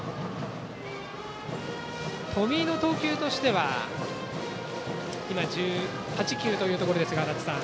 冨井の投球としては今、１８球というところですが足達さん。